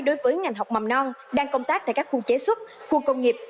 đối với ngành học mầm non đang công tác tại các khu chế xuất khu công nghiệp